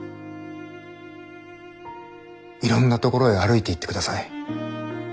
いろんなところへ歩いていってください。